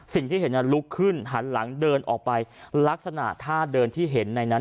สิ่งที่เห็นลุกขึ้นหันหลังเดินออกไปลักษณะท่าเดินที่เห็นในนั้น